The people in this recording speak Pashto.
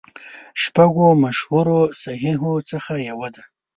شپږو مشهورو صحیحو څخه یوه ده.